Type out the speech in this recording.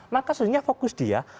maka seharusnya fokus dia